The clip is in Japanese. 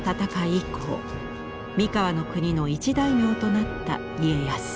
以降三河の国の一大名となった家康。